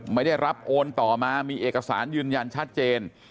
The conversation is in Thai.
ไม่ได้รับโอนต่อมามีเอกสารยืนยันชัดเจน